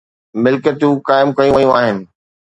ملڪيتون قائم ڪيون ويون آهن.